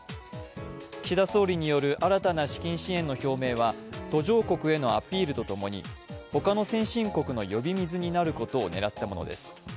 岸田総理による新たな資金支援の表明は、途上国へのアピールと共に他の先進国の呼び水になることを狙ったものです。